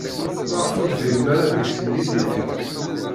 Maɣef ur thim ara deg temlilit?